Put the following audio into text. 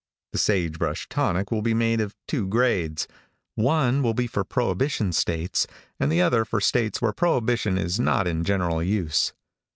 The Sage Brush Tonic will be made of two grades, one will be for prohibition states and the other for states where prohibition is not in general use.